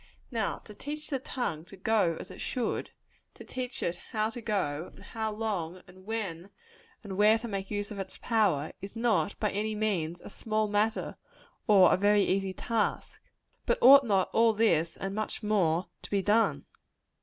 Now, to teach the tongue to go as it should to teach it how to go, and how long, and when and where to make use of its power is not, by any means, a small matter, or a very easy task. But ought not all this, and much more, to be done?